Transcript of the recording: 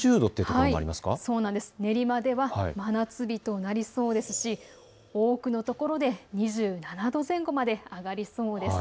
練馬では真夏日となりそうですし多くの所で２７度前後まで上がりそうです。